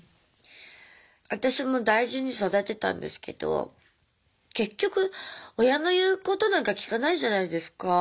私も大事に育てたんですけど結局親の言うことなんか聞かないじゃないですか。